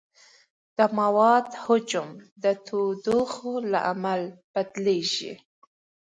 د موادو حجم د تودوخې له امله بدلېږي.